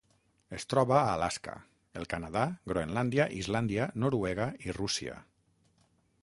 Es troba a Alaska, el Canadà, Groenlàndia, Islàndia, Noruega i Rússia.